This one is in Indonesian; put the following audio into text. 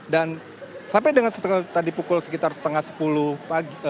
dan sampai dengan setengah tadi pukul sekitar setengah sepuluh pagi